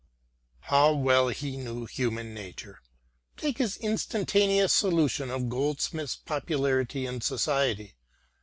* How well he knew human nature ! Take his instantaneous solution of Goldsmith's popularity in society.